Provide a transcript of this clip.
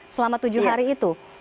selama tujuh hari itu